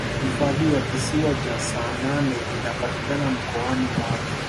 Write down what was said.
hifadhi ya kisiwa cha saanane inapatika mkoani mwanza